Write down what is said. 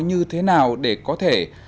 như thế nào để có thể